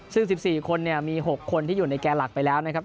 ซึ่ง๑๔คนเนี่ยมี๖คนที่อยู่ในแก่หลักไปแล้วนะครับ